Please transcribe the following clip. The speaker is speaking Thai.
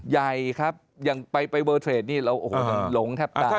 ใหญ่ครับอย่างไปเวอร์เทรดนี่เราโอ้โหหลงแทบตาย